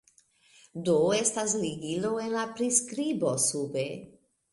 Do, estas ligilo en la priskibo sube